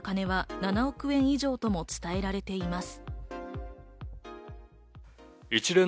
集めた金は７億円以上とも伝えられています。